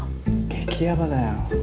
激ヤバだよ。